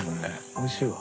おいしいわ。